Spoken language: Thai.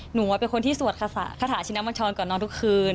หนูว่าเป็นคนที่สวดคาสะคาถาชิ้นนับบัญชรก่อนนอนทุกคืน